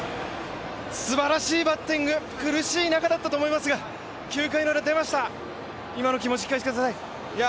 すばらしいバッティング、苦しい中だったと思いますが９回のウラ出ました、今の気持ち、聞かせてください。